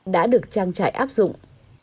đã được trang trại áp dụng